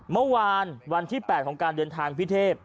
เมื่อวานวันที่๘ของการเดินทางพี่เทพ